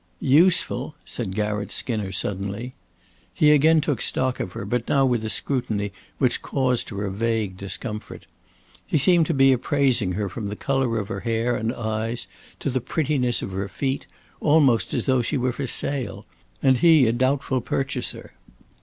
"Useful?" said Garratt Skinner, suddenly. He again took stock of her, but now with a scrutiny which caused her a vague discomfort. He seemed to be appraising her from the color of her hair and eyes to the prettiness of her feet, almost as though she was for sale, and he a doubtful purchaser.